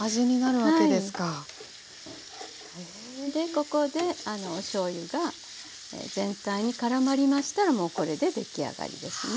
ここでおしょうゆが全体にからまりましたらもうこれで出来上がりですね。